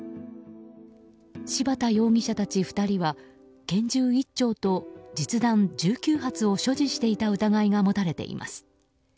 柴田容疑者たち２人は拳銃１丁と実弾１９発を所持していた疑いが持たれています。